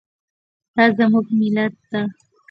دا زموږ ملت ده